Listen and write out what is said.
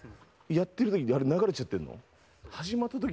やってる時にあれ流れちゃってるんだよ。